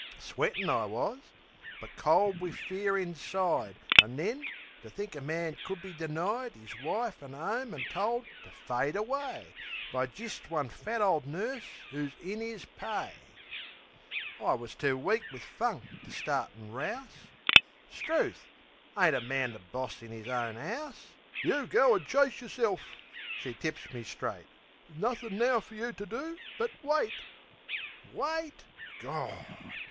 Sweatin' I was! but cold wiv fear inside An' then, to think a man could be denied 'Is wife an' 'ome an' told to fade away By jist one fat ole nurse 'oo's in 'is pay! I wus too weak wiv funk to start an' rouse. 'Struth! Ain't a man the boss in 'is own 'ouse? "You go an' chase yerself!" she tips me straight. There's nothin' now fer you to do but wait." Wait?...Gawd!...